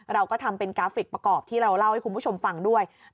เราก็ทำเป็นกราฟิกประกอบที่เราเล่าให้คุณผู้ชมฟังด้วย